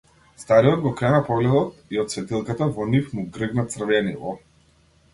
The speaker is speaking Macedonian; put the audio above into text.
Стариот го крена погледот и од светилката во нив му гргна црвенило.